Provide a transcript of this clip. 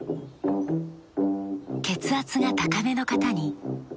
血圧が高めの方に。